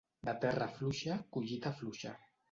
De terra fluixa, collita fluixa.